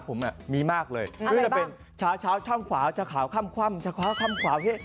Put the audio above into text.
ผมน่ะมีมากเลยเรื่องบ้างชาชาทั้งขวาจะขาวข้ำคว่ำจะขัดข้ำขวาและ